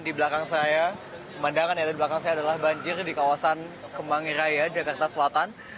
di belakang saya pemandangan yang ada di belakang saya adalah banjir di kawasan kemangiraya jakarta selatan